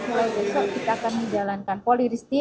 mulai besok kita akan menjalankan poli risti